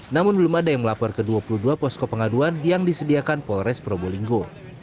namun belum ada yang melapor ke dua puluh dua posko pengaduan yang disediakan polres probolinggo